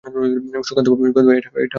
সুধাকান্তবাবু বললেন, এটা কোনো গল্প না।